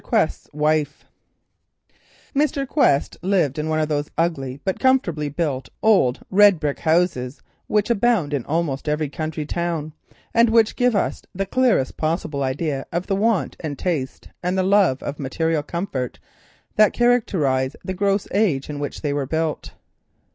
QUEST'S WIFE Mr. Quest lived in one of those ugly but comfortably built old red brick houses which abound in almost every country town, and which give us the clearest possible idea of the want of taste and love of material comfort that characterised the age in which they were built.